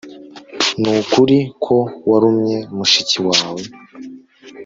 Nukuri ko warumye mushiki wawe